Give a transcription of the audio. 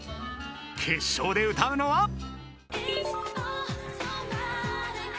［決勝で歌うのは］